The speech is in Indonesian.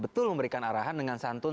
betul memberikan arahan dengan santun